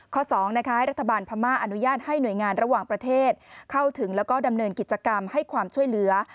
๒ให้รัฐบาลพม่าอนุญาตให้หน่วยงานระหว่างประเทศเข้าถึงแล้วก็ดำเนินกิจกรรมให้ความช่วยเหลือ